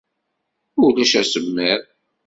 Ulac asemmiḍ.